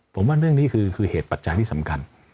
ผมว่าเรื่องนี้คือเหตุปัจจัยที่สำคัญ